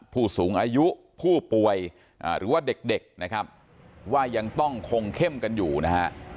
ผู้สูงอายุผู้ป่วยหรือว่าเด็กนะครับว่ายังต้องคงเข้มกันอยู่นะฮะ